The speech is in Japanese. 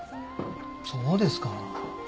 そうですか。